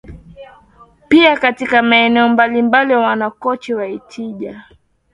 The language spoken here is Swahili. pia katika maeneo mbalimbali wanakoishi Wajita